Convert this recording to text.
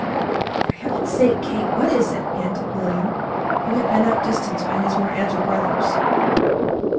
"For heaven's sake, Kate, what is it?" panted William, who had been outdistanced by his more agile brothers.